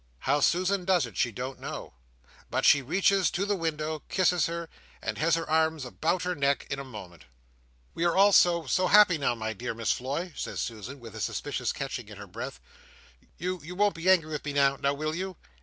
How Susan does it, she don't know, but she reaches to the window, kisses her, and has her arms about her neck, in a moment. "We are all so—so happy now, my dear Miss Floy!" says Susan, with a suspicious catching in her breath. "You, you won't be angry with me now. Now will you?"